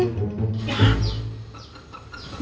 baju bayinya empat lusin